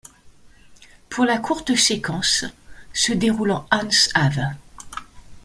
Pour la courte séquence se déroulant ans av.